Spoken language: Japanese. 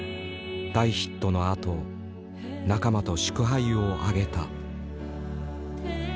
大ヒットのあと仲間と祝杯をあげた。